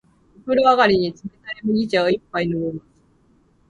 お風呂上がりに、冷たい麦茶を一杯飲みます。